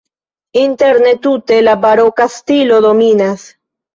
Interne tute la baroka stilo dominas.